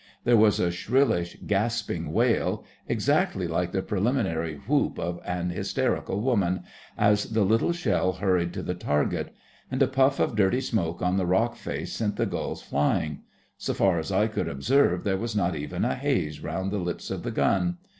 There was a shrillish gasping wail—exactly like the preliminary whoop of an hysterical woman—as the little shell hurried to the target; and a puff of dirty smoke on the rock face sent the gulls flying. So far as I could observe there was not even a haze round the lips of the gun.